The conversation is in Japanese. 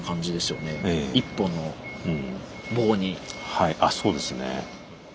はいあっそうですね。